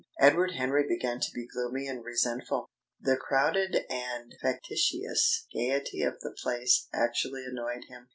Edward Henry began to be gloomy and resentful. The crowded and factitious gaiety of the place actually annoyed him.